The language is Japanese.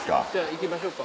行きましょうか。